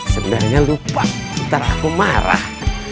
sebenarnya lupa ntar aku marah